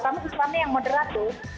kami suamanya yang moderat loh